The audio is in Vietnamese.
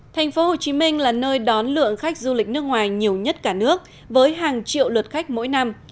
thành phố hồ chí minh là nơi đón lượng khách du lịch nước ngoài nhiều nhất cả nước với hàng triệu lượt khách mỗi năm